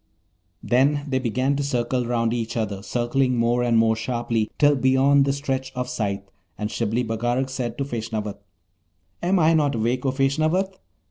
Then they began to circle each round the other, circling more and more sharply till beyond the stretch of sight, and Shibli Bagarag said to Feshnavat, 'Am I not awake, O Feshnavat?